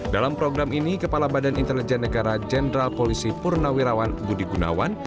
dalam program ini kepala badan intelijen negara jenderal polisi purnawirawan budi gunawan